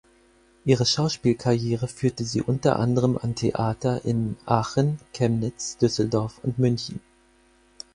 Ihre Schauspielkarriere führte sie unter anderem an Theater in Aachen, Chemnitz, Düsseldorf und München.